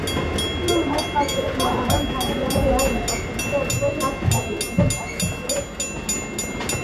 თუ ვინმე სხვა კითხულობდა და მთარგმნელი არ იმყოფებოდა იქვე, ხალხს არ ესმოდა წაკითხულის შინაარსი.